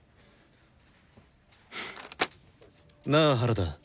なあ原田。